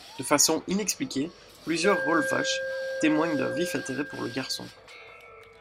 De façon inexpliquée, plusieurs Roilwachhs témoignent d'un vif intérêt pour le garçon.